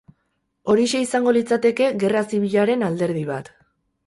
Horixe izango litzateke gerra zibilaren alderdi bat.